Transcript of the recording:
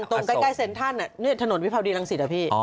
ส่วนใกล้เซ็นทันเนี่ยนี่ถนนวิภาวดีรังศิษย์เหรอพี่